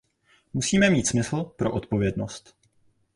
Musíme mít smysl pro odpovědnost.